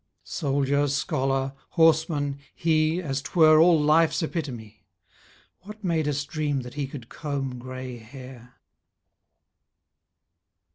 Soldier, scholar, horseman, he, As 'twere all life's epitome. What made us dream that he could comb grey hair?